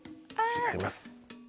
違います。